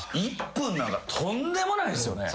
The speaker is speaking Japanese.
１分なんかとんでもないですよね。